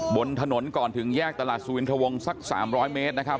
บนถนนก่อนถึงแยกตลาดสุวินทวงสัก๓๐๐เมตรนะครับ